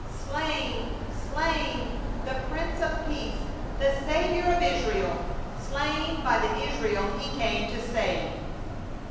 " Slain, slain ! the Prince of peace, the Saviour of Israel, slain by the Israel he came to save